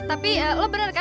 tapi lo bener kan